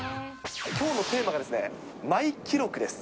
きょうのテーマがですね、マイ記録です。